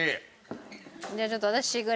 じゃあちょっと私しぐれ。